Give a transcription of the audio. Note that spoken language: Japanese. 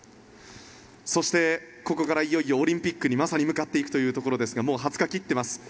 そして、ここからいよいよオリンピックにまさに向かっていきますがもう２０日を切っています。